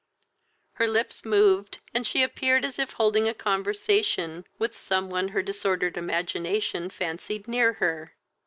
Her lips moved, and she appeared as if holding a conversation with some one her disordered imagination fancied near her.